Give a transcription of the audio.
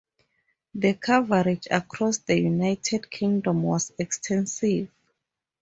The coverage across the United Kingdom was extensive.